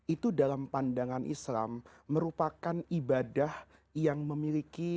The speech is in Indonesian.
itu dalam pandangan islam merupakan ibadah yang memiliki